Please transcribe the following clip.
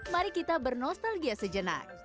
mari kita bernostalgia sejenak